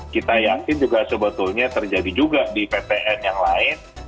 kita yakin juga sebetulnya terjadi juga di ptn yang lain